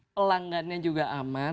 pelanggannya juga aman